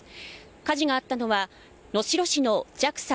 火事があったのは能代市のＪＡＸＡ